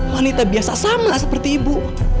wanita biasa sama seperti ibu